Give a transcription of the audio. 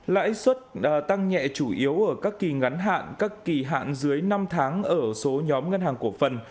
lãi suất tăng nhẹ chủ yếu ở các kỳ ngắn hạn các kỳ hạn dưới năm tháng ở số nhóm ngân hàng cổ phần